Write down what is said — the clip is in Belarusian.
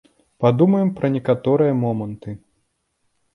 Падумаем пра некаторыя моманты.